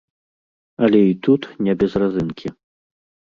Але і тут не без разынкі.